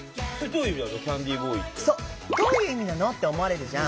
「どういう意味なの？」って思われるじゃん。